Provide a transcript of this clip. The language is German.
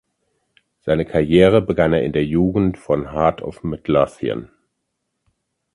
Seine Karriere begann er in der Jugend von Heart of Midlothian.